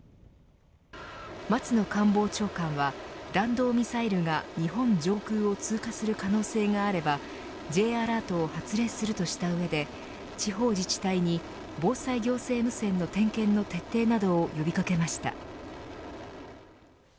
松野官房長官は弾道ミサイルが、日本上空を通過する可能性があればＪアラートを発令するとしたうえで地方自治体に防災行政無線の点検の徹底などを呼び掛けました。